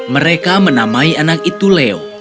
mereka menamai anak itu leo